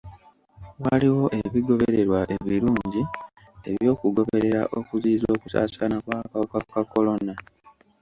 Waliwo ebigobererwa ebirungi eby'okugoberera okuziyiza okusaasaana kw'akawuka ka kolona.